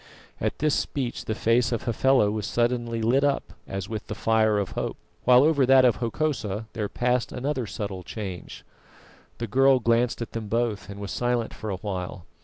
At this speech, the face of Hafela was suddenly lit up as with the fire of hope, while over that of Hokosa there passed another subtle change. The girl glanced at them both and was silent for a while.